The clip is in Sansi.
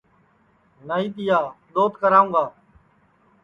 نائی تیا دؔوت کراوں گا